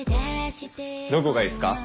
どこがいいっすか？